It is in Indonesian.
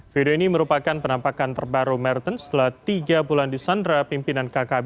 video ini merupakan penampakan terbaru merton setelah tiga bulan di sandra pimpinan kkb